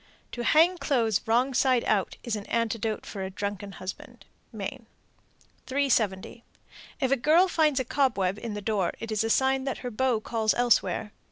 To hang clothes wrong side out is an antidote for a drunken husband. Maine. 370. If a girl finds a cobweb in the door, it is a sign that her beau calls elsewhere.